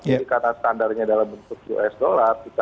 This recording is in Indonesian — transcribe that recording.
jadi karena standarnya dalam bentuk us dollar